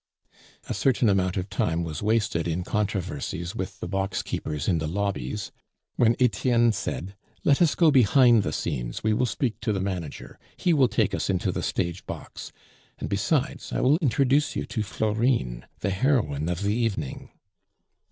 A certain amount of time was wasted in controversies with the box keepers in the lobbies, when Etienne said, "Let us go behind the scenes; we will speak to the manager, he will take us into the stage box; and besides, I will introduce you to Florine, the heroine of the evening."